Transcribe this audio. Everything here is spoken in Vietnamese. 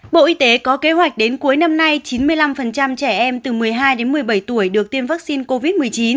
bộ y tế có kế hoạch đến cuối năm nay chín mươi năm trẻ em từ một mươi hai đến một mươi bảy tuổi được tiêm vaccine covid một mươi chín